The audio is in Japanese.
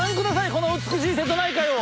この美しい瀬戸内海を。